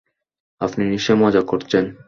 আপনি নিশ্চয়ই মজা করছেন!